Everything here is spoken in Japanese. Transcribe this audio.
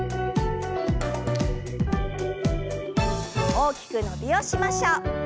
大きく伸びをしましょう。